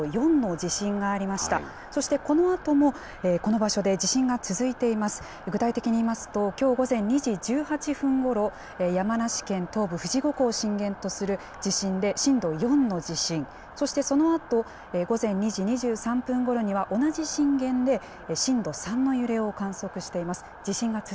具体的に言いますと、きょう午前２時１８分ごろ、山梨県東部富士五湖を震源とする地震で、震度４の地震、そして、そのあと午前２時２３分ごろには、同じ震源で震度３の揺れを観測しています。